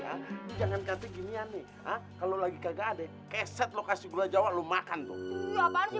jangan kata ginian nih kalau lagi kagak ada keset lokasi gula jawa lu makan tuh ya apaan sih